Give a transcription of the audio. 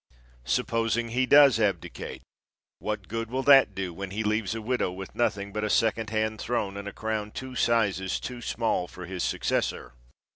Supposing he does abdicate, what good will that do, when he leaves a widow with nothing but a second hand throne and a crown two sizes too small for his successor?